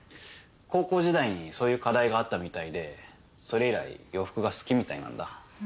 高校時代にそういう課題があったみたいでそれ以来洋服が好きみたいなんだ。